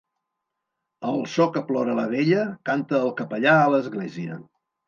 Al so que plora la vella canta el capellà a l'església.